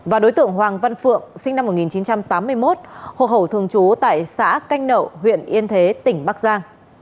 và đối tượng hoàng văn phượng sinh năm một nghìn chín trăm tám mươi một hộ khẩu thường trú tại xã canh nậu huyện yên thế tỉnh bắc giang